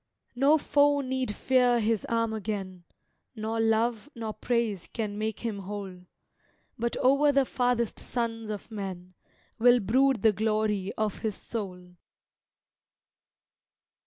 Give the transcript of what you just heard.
No foe need fear his arm again, Nor love, nor praise can make him whole; But o'er the farthest sons of men Will brood the glory of his soul.